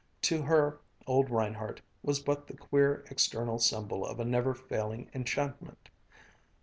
To her, old Reinhardt was but the queer external symbol of a never failing enchantment.